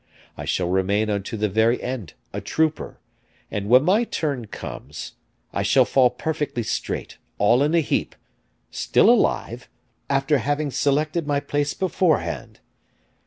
I shall remain unto the very end a trooper; and when my turn comes, I shall fall perfectly straight, all in a heap, still alive, after having selected my place beforehand.